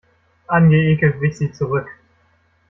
Angeekelt wich sie zurück.